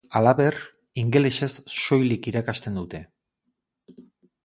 Halaber, ingelesez soilik irakasten dute.